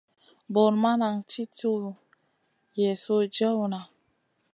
Bur ma nan ti tuw Yezu jewna.